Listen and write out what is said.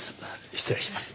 失礼します。